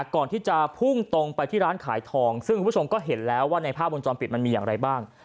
ก่อนที่จะพุ่งตรงไปที่ร้านขายทองซึ่งคุณผู้ชมก็เห็นแล้วว่าในภาพวงจรปิดมันมีอย่างไรบ้าง